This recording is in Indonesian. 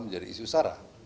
menjadi isu sarah